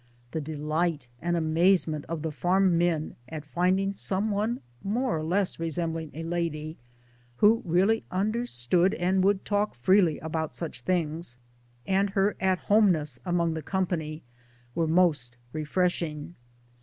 The delight and amazement of the farm men at finding some one more or less resembling a lady who really understood and would talk freely about such things, and her at home ness among that company were most refreshing.